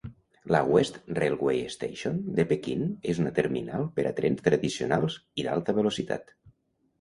La West Railway Station de Pequín és una terminal per a trens "tradicionals" i d'alta velocitat.